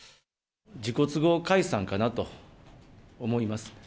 自己都合解散かなと思います。